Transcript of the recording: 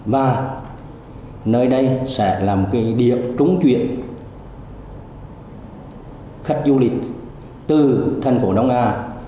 và nơi đây sẽ là một cái điểm trúng chuyển khách du lịch từ thành phố đông hà